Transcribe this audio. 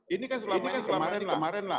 ini kan selama ini kemarin lah